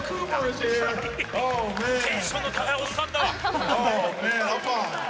テンションの高いおっさんだわ！